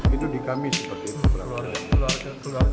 itu di kami seperti itu